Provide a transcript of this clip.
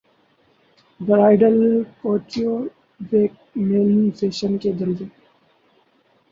bridal couture week میں fashion کے جلوے